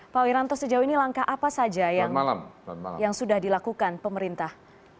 pak wiranto sejauh ini langkah apa saja yang sudah dilakukan pemerintah